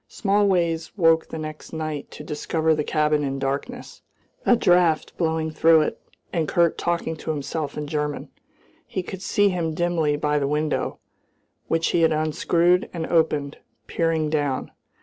Smallways woke the next night to discover the cabin in darkness, a draught blowing through it, and Kurt talking to himself in German. He could see him dimly by the window, which he had unscrewed and opened, peering down.